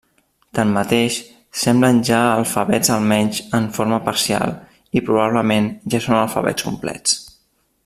Tanmateix, semblen ser ja alfabets almenys en forma parcial i, probablement, ja són alfabets complets.